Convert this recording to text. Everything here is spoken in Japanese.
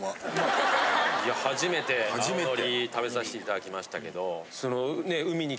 いや初めて青のり食べさせていただきましたけどその。